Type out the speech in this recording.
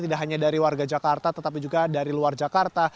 tidak hanya dari warga jakarta tetapi juga dari luar jakarta